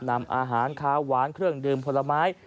นำอาหารขาวหวานเครื่องดื่มผลไม้